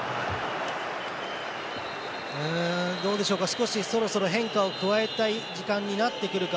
どうでしょうか少しそろそろ変化を加えたい時間になってくるか。